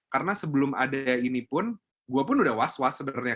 karena sebelum ada ini pun gue pun udah was was sebenarnya